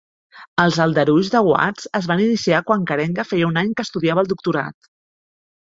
Els aldarulls de Watts es van iniciar quan Karenga feia un any que estudiava el doctorat.